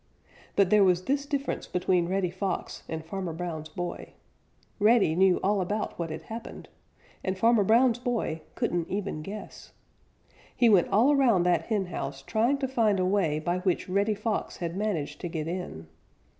But there was this difference between Reddy Fox and Farmer Brown's boy: Reddy knew all about what had happened, and Farmer Brown's boy couldn't even guess. He went all around that henhouse, trying to find a way by which Reddy Fox had managed to get in.